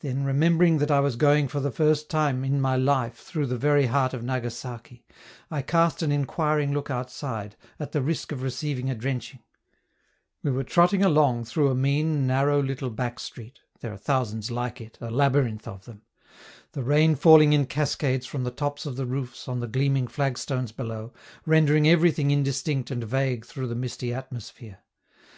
Then, remembering that I was going for the first time in my life through the very heart of Nagasaki, I cast an inquiring look outside, at the risk of receiving a drenching: we were trotting along through a mean, narrow, little back street (there are thousands like it, a labyrinth of them), the rain falling in cascades from the tops of the roofs on the gleaming flagstones below, rendering everything indistinct and vague through the misty atmosphere.